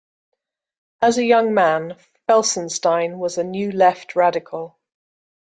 As a young man, Felsenstein was a New Left radical.